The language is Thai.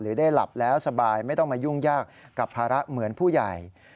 ได้หลับแล้วสบายไม่ต้องมายุ่งยากกับภาระเหมือนผู้ใหญ่